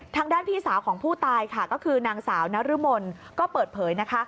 ทางด้านพี่สาวของผู้ตายค่ะก็คือนางสาวนรมนก็เปิดเผยนะคะ